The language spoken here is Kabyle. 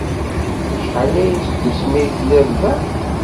Acḥal aya seg wasmi ay tellid da?